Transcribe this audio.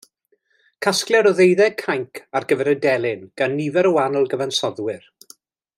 Casgliad o ddeuddeg cainc ar gyfer y delyn gan nifer o wahanol gyfansoddwyr.